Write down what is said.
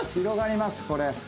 広がりますこれ。